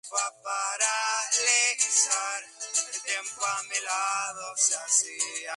Estudió en Nueva York y se casó con Anita, otra prestigiosa ilustradora.